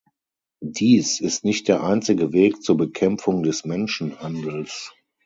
Dies ist nicht der einzige Weg zur Bekämpfung des Menschenhandels.